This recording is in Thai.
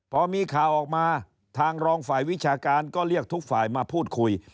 พอมีข่าวออกมาทางรองฝ่ายวิชาการก็เรียกทุกฝ่ายมาพูดคุย